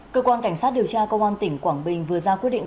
cơ quan cảnh sát điều tra công an tỉnh quảng bình vừa ra quyết định